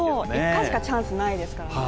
１回しかチャンスないですからね。